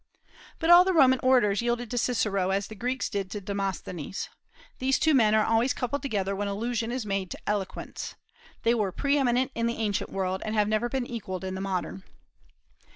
But all the Roman orators yielded to Cicero, as the Greeks did to Demosthenes. These two men are always coupled together when allusion is made to eloquence. They were pre eminent in the ancient world, and have never been equalled in the modern.